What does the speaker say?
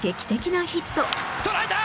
捉えた！